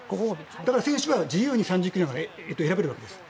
だから選手は自由に３０球団から選べるわけです。